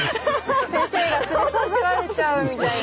先生が連れ去られちゃうみたいな。